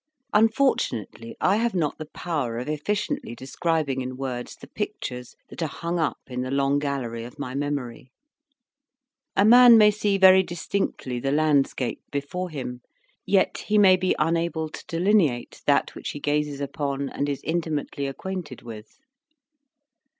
Unfortunately, I have not the power of efficiently describing in words the pictures that are hung up in the long gallery of my memory: a man may see very distinctly the landscape before him, yet he may be unable to delineate that which he gazes upon and is intimately acquainted with.